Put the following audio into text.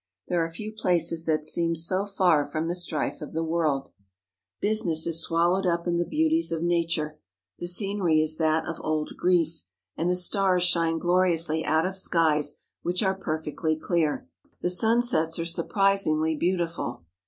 There are few places that seem so far from the strife of the world. Business is i 7 8 WHERE OUR SAVIOUR SPENT HIS BOYHOOD swallowed up in the beauties of nature. The scenery is that of old Greece, and the stars shine gloriously out of skies which are perfectly clear. The sunsets are surpassingly beautiful.